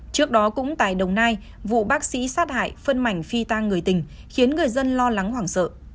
trước đó cũng tại đồng nai vụ bác sĩ sát hại phân mảnh phi tang người tình khiến người dân lo lắng hoảng sợ